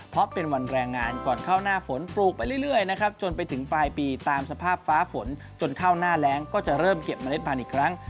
เพราะเป็นวันแรงงานก่อนเข้าหน้าฝนปลูกไปเรื่อยนะครับจนไปถึงปลายปีตามสภาพฟ้าฝนจนเข้าหน้าแรงก็จะเริ่มเก็บเมล็ดพันธุ์อีกครั้ง